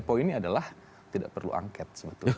poinnya adalah tidak perlu angket sebetulnya